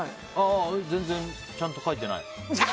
全然、ちゃんと書いてない。